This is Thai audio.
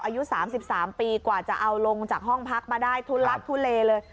อายุ๓๓ปีกว่าจะเอาลงจากห้องพักมาได้ทุลักทุเลเลย